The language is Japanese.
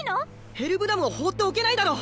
ヘルブラムを放っておけないだろ！